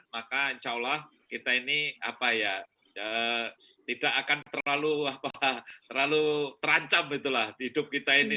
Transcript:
maka insya allah kita ini tidak akan terlalu terancam di hidup kita ini